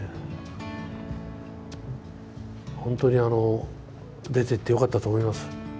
ほんとにあの出てってよかったと思います。